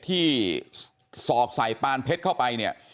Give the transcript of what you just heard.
ที่สอกใส่ปานเพชรเข้าไปเนี่ย